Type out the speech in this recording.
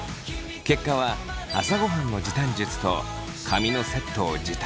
結果は朝ごはんの時短術と髪のセットを時短